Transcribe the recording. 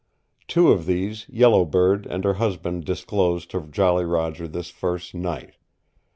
Two of these Yellow Bird and her husband disclosed to Jolly Roger this first night.